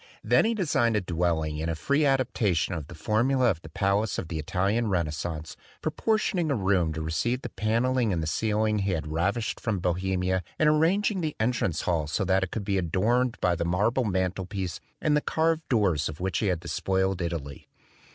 Then he designed a dwelling in a free adaptation of the formula of the palace of the Italian Renas cence, proportioning a room to receive the panelling and the ceiling he had ravished from Bohemia and arranging the entrance hall so that it could be adorned by the marble mantel piece and the carved doors of which he had despoiled Italy.